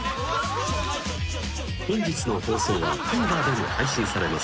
［本日の放送はＴＶｅｒでも配信されます。